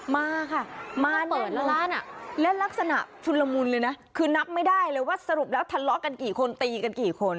มาค่ะมาเปิดร้านและลักษณะชุนละมุนเลยนะคือนับไม่ได้เลยว่าสรุปแล้วทะเลาะกันกี่คนตีกันกี่คน